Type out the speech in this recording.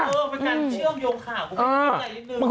เออเป็นการเชื่องยงข่าวผมไม่รู้ใจนิดหนึ่ง